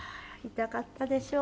痛かったでしょう。